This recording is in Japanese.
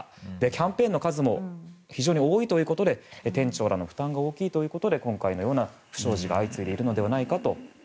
キャンペーンの数も非常に多いということで店長らの負担が大きいということで今回のような不祥事が相次いでいるのではないかと。